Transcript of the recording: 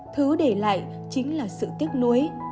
thứ để lại chính là sự tiếc nuối